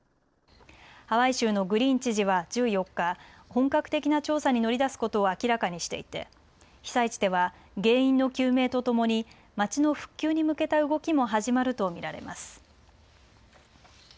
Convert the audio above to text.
ハワイ州のグリーン知事は１４日、本格的な調査に乗り出すことを明らかにしていて被災地では原因の究明とともに街の復旧に向けた動きも始まると見られます。